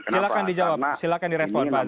silakan dijawab silakan direspon pak aziz